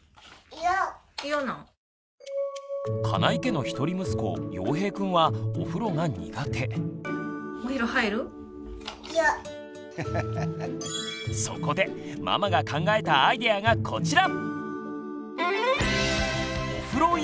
金井家の一人息子ようへいくんはそこでママが考えたアイデアがこちら！